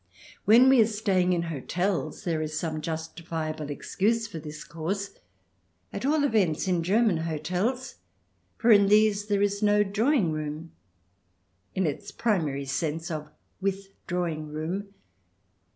When 278 THE DESIRABLE ALIEN [ch. xx we are staying in hotels there is some justifiable excuse for this course, at all events in German hotels ; for in these there is no drawing room — in its primary sense of withdrawing room.